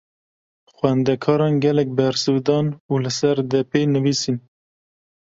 Xwendekaran gelek bersiv dan û li ser depê nivîsîn.